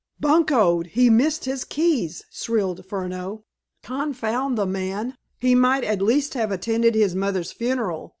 "Buncoed! He's missed his keys!" shrilled Furneaux. "Confound the man! He might at least have attended his mother's funeral!"